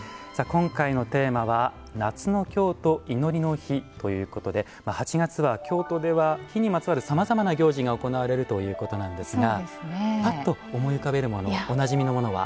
今回のテーマは「夏の京都祈りの火」ということで８月は京都では火にまつわるさまざまな行事が行われるということなんですがぱっと思い浮かべるおなじみのものは？